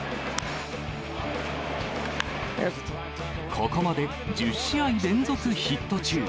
ここまで１０試合連続ヒット中。